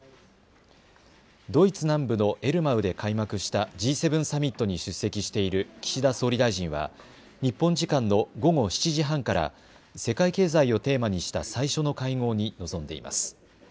ドイツ南部のエルマウで開幕したＧ７サミットに出席している岸田総理大臣は日本時間の午後７時半から世界経済をテーマにした最初の会合に臨んでいます。